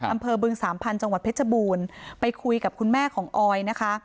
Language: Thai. บึงสามพันธุ์จังหวัดเพชรบูรณ์ไปคุยกับคุณแม่ของออยนะคะ